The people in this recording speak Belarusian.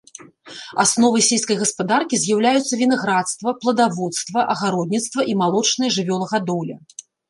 Асновай сельскай гаспадаркі з'яўляюцца вінаградарства, пладаводства, агародніцтва і малочная жывёлагадоўля.